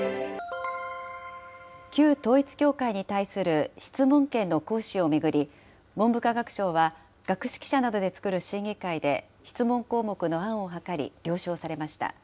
旧統一教会に対する質問権の行使を巡り、文部科学省は学識者などで作る審議会で質問項目の案を諮り、了承されました。